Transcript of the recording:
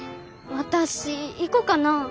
私行こかな。